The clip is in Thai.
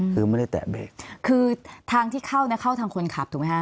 คือไม่ได้แตะเบรกคือทางที่เข้าเนี่ยเข้าทางคนขับถูกไหมฮะ